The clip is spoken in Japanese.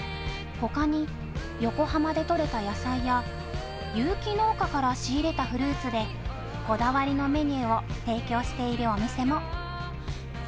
他に、横浜で採れた野菜や有機農家から仕入れたフルーツでこだわりのメニューを提供しているお店も。